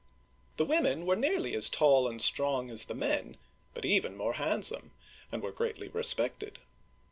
The women were nearly as tall and strong as the men, but even more handsome, and were greatly respected.